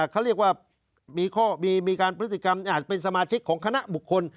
เขาเรียกว่ามีการพฤติกรรมอาจเป็นสมาชิกของคณะบุคคล